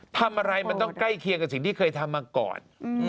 ทำอะไรมันต้องใกล้เคียงกับสิ่งที่เคยทำมาก่อน